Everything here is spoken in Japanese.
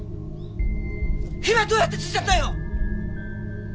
火はどうやってついたんだよ？